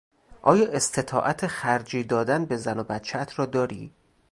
آیا استطاعت خرجی دادن به زن و بچهات را داری؟